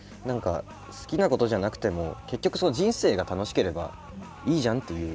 好きなことじゃなくても結局、人生が楽しければいいじゃんっていう。